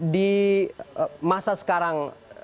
di masa sekarang